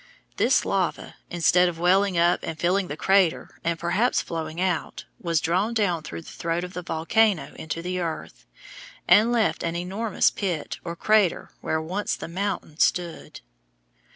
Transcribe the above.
This lava, instead of welling up and filling the crater and perhaps flowing out, was drawn down through the throat of the volcano into the earth, and left an enormous pit or crater where once the mountain stood.